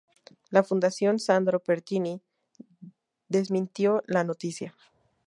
La Fundación Sandro Pertini desmintió la noticia.